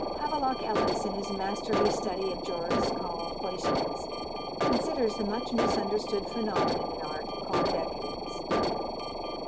Havelock Ellis in his masterly study of Joris Karl Huysmans, considers the much misunderstood phenomenon in art called decadence.